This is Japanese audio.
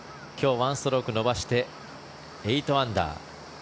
１ストローク伸ばして８アンダー。